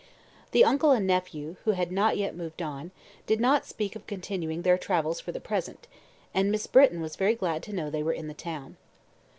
The uncle and nephew, who had not yet moved on, did not speak of continuing their travels for the present, and Miss Britton was very glad to know they were in the town.